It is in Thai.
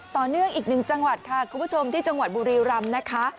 ต่อเนื่องอีกหนึ่งจังหวัดค่ะคุณผู้ชมที่จังหวัดบุรีรำนะคะ